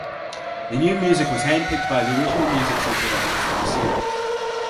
The new music was handpicked by the original music supervisors from the series.